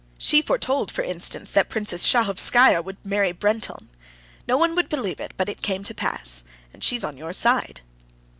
She foretold, for instance, that Princess Shahovskaya would marry Brenteln. No one would believe it, but it came to pass. And she's on your side."